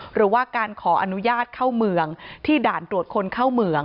หรือว่าการขออนุญาตเข้าเมืองที่ด่านตรวจคนเข้าเมือง